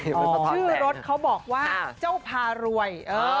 ชื่อรถเขาบอกว่าเจ้าพารวย